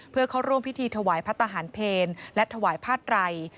เพื่อเข้าร่วมพิธีถวายพระทหารเพลและถวายผ้าไตร